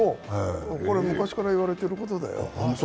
これ昔から言われていることだよ。